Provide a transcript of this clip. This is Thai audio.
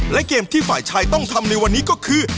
และเกมที่ฝ่ายชายต้องทำในวันนี้ก็คือ